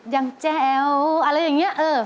ยังแจ๋วอะไรอย่างนี้